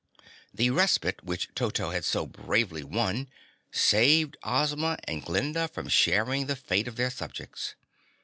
This respite which Toto had so bravely won saved Ozma and Glinda from sharing the fate of their subjects.